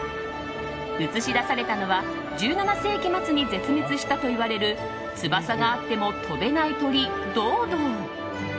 映し出されたのは１７世紀末に絶滅したという翼があっても飛べない鳥ドードー。